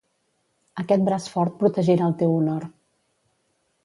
Aquest braç fort protegirà el teu honor.